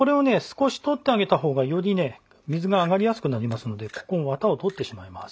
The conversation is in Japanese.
少し取ってあげた方がよりね水があがりやすくなりますのでここのワタを取ってしまいます。